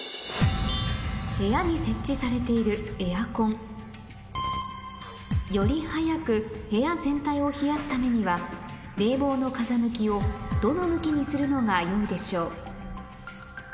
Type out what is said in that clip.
部屋に設置されているより早く部屋全体を冷やすためには冷房の風向きをどの向きにするのがよいでしょう？